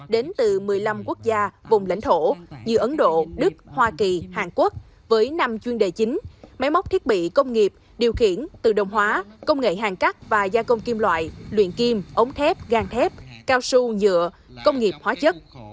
đến từ một mươi năm quốc gia vùng lãnh thổ như ấn độ đức hoa kỳ hàn quốc với năm chuyên đề chính máy móc thiết bị công nghiệp điều khiển tự động hóa công nghệ hàng cắt và gia công kim loại luyện kim ống thép gan thép cao su nhựa công nghiệp hóa chất